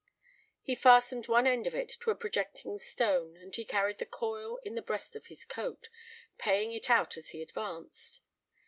He fastened one end of it to a projecting stone and he carried the coil in the breast of his coat, paying it out as he advanced.